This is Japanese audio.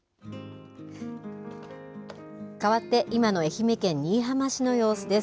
かわって、今の愛媛県新居浜市の様子です。